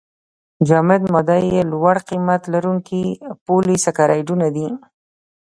جامد ماده یې لوړ قیمت لرونکي پولې سکرایډونه دي.